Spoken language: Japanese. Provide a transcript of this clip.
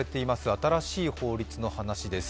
新しい法律の話です。